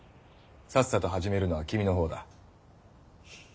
さっさと始めるのは君の方だ。